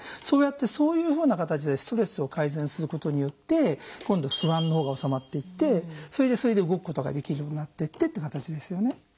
そうやってそういうふうな形でストレスを改善することによって今度不安のほうが治まっていってそれで動くことができるようになってってっていう形ですよね。